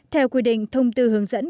theo quy định thông tư hướng dẫn